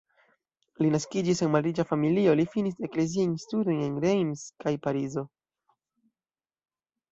Li naskiĝis en malriĉa familio, li finis ekleziajn studojn en Reims kaj Parizo.